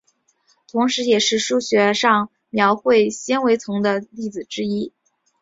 同时也是数学上描绘纤维丛的例子之一。